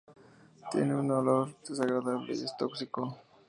Tiene un olor desagradable y es tóxico.